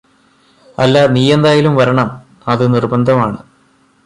അല്ലാ നീയെന്തായാലും വരണം അത് നിർബന്ധമാണ്